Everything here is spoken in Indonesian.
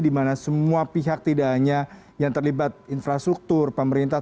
di mana semua pihak tidak hanya yang terlibat infrastruktur pemerintah